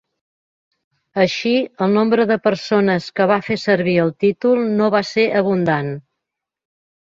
Així, el nombre de persones que va fer servir el títol no va ser abundant.